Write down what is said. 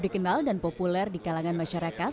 dikenal dan populer di kalangan masyarakat